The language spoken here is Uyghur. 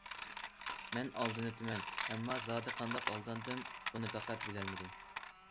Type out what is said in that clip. مەن ئالدىنىپتىمەن، ئەمما زادى قانداق ئالداندىم؟ بۇنى پەقەت بىلەلمىدىم.